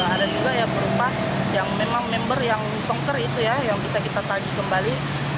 ada juga yang rumah yang memang member yang songker itu ya yang bisa kita taji kembali